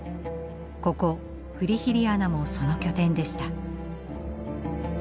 ここフリヒリアナもその拠点でした。